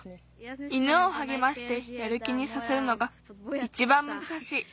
犬をはげましてやる気にさせるのがいちばんむずかしい。